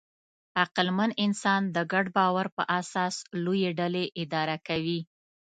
عقلمن انسان د ګډ باور په اساس لویې ډلې اداره کوي.